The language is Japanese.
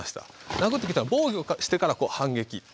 殴ってきたら防御してから反撃。